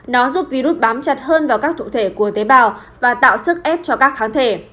nó giúp virus bám chặt hơn vào các thủ thể của tế bào và tạo sức ép cho các kháng thể